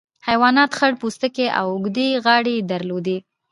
حیواناتو خړ پوستکي او اوږدې غاړې درلودې.